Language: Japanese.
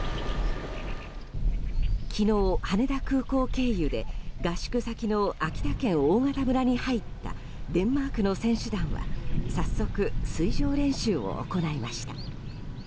昨日、羽田空港経由で合宿先の秋田県大潟村に入ったデンマークの選手団は早速、水上練習を行いました。